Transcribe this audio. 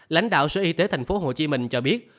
lãnh đạo sở y tế tp hcm cho biết